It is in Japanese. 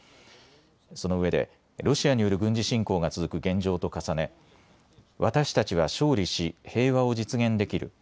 そのうえでロシアによる軍事侵攻が続く現状と重ね、私たちは勝利し平和を実現できる。